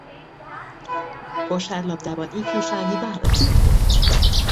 Kosárlabdában ifjúsági válogatott volt.